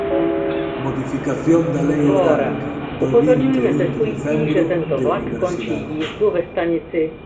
Modificación da Lei orgánica, do vinte e un de decembro, de universidades.